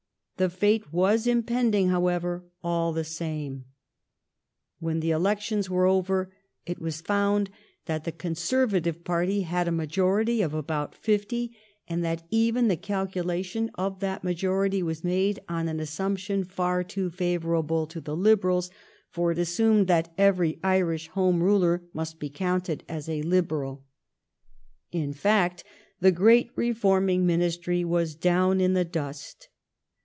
The fate was im pending, however, all the same. When the 306 THE STORY OF GLADSTONE'S LIFE elections were over, it was found that the Con servative party had a majority of about fifty, and that even the calculation of that majority was made on an assumption far too favorable to the Liberals, for it assumed that every Irish Home Ruler might be counted as a Liberal. In fact, the great reforming ministry was down in the dust.